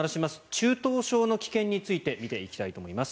中等症の危険について見ていきたいと思います。